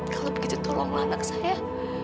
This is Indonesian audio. kalau begitu tolonglah anak saya